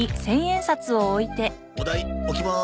お代置きまーす。